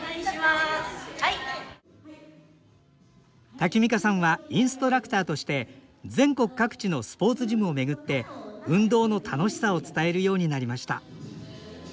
タキミカさんはインストラクターとして全国各地のスポーツジムを巡って運動の楽しさを伝えるようになりました